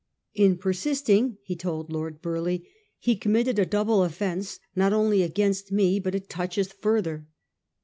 '* In persisting," he told Lord Burleigh, ''he committed a double offence, not only against me, but it toucheth further."